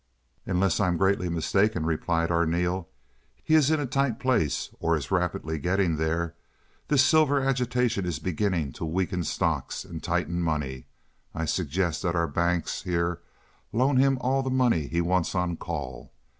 "Unless I am greatly mistaken," replied Arneel, "he is in a tight place or is rapidly getting there. This silver agitation is beginning to weaken stocks and tighten money. I suggest that our banks here loan him all the money he wants on call.